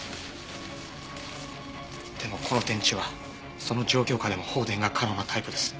でもこの電池はその状況下でも放電が可能なタイプです。